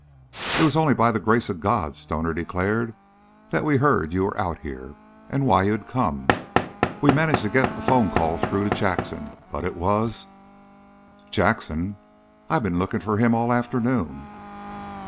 "It was only by the grace of God," Stoner declared, "that we heard you were out here and why you'd come. We managed to get a phone call through to Jackson, but it was " "Jackson? I've been looking for him all the afternoon."